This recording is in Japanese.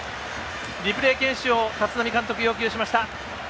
リプレー検証、立浪監督が要求しました。